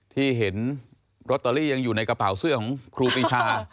ที่เห็นลอตเตอรี่ยังอยู่ในกระเป๋าเสื้อของครูปีชา